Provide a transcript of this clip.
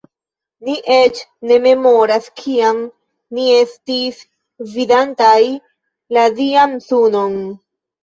Ni eĉ ne memoras, kiam ni estis vidantaj la Dian sunon.